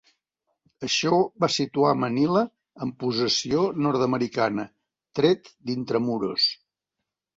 Això va situar Manila en possessió nord-americana, tret d'Intramuros.